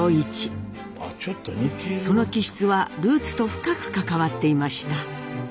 その気質はルーツと深く関わっていました。